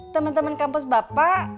teman teman kampus bapak